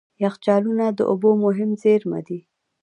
یخچالونه د اوبو مهم زیرمه دي.